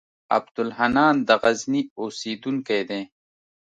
عبدالحنان د غزني اوسېدونکی دی.